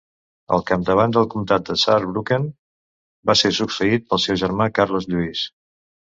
Al capdavant del comtat de Saarbrücken va ser succeït pel seu germà Carles Lluís.